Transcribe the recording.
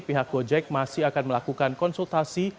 pihak gojek masih akan melakukan konsultasi